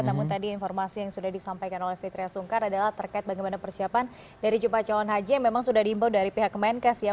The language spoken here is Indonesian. namun tadi informasi yang sudah disampaikan oleh fitriah sungkar adalah terkait bagaimana persiapan dari jumlah calon haji yang memang sudah diimbau dari pihak kemenkes ya